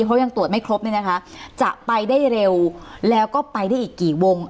เพราะยังตรวจไม่ครบจะไปได้เร็วแล้วก็ไปได้อีกกี่วง